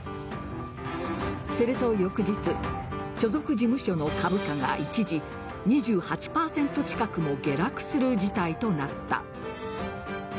すると翌日所属事務所の株価が一時２８％近くも下落する事態となった。